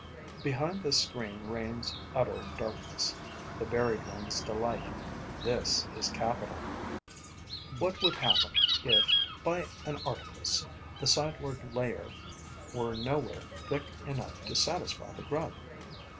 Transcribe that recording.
Behind this screen reigns utter darkness, the buried one's delight. This is capital. What would happen if, by an artifice, the sideward layer were nowhere thick enough to satisfy the grub?